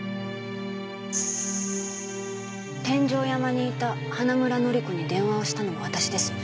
「天上山にいた花村乃里子に電話をしたのも私です」